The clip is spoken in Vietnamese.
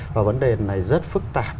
và vấn đề này rất phức tạp